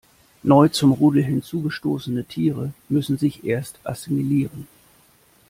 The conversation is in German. Neu zum Rudel hinzugestoßene Tiere müssen sich erst assimilieren.